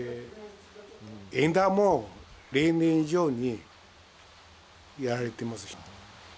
枝も、例年以上にやられてます。